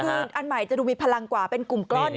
คืออันใหม่จะดูมีพลังกว่าเป็นกลุ่มก้อน